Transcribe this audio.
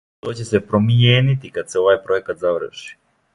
То ће се промијенити кад се овај пројекат заврши.